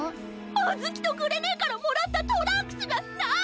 あずきとグレねえからもらったトランクスがない！